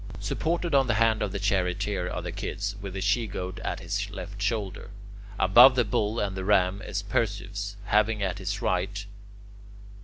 Supported on the hand of the Charioteer are the Kids, with the She Goat at his left shoulder. Above the Bull and the Ram is Perseus, having at his right...